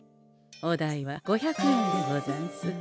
お代は５００円でござんす。